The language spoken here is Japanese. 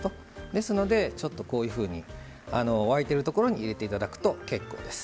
ですのでちょっとこういうふうに沸いてるところに入れていただくと結構です。